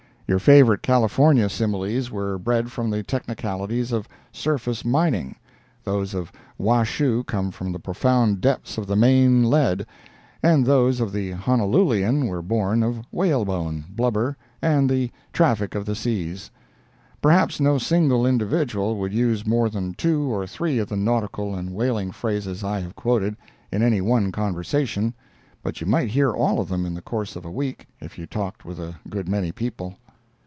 Your favorite California similes were bred from the technicalities of surface mining—those of Washoe come from the profound depths of the "main lead," and those of the Honoluluian were born of whalebone, blubber and the traffic of the seas. Perhaps no single individual would use more than two or three of the nautical and whaling phrases I have quoted, in any one conversation, but you might hear all of them in the course of a week, if you talked with a good many people.